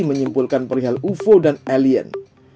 menyimpulkan perihal ufo dan alien